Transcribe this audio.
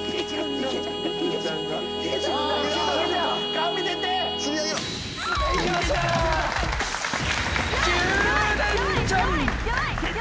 顔見せて！